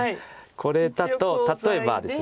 これだと例えばですね。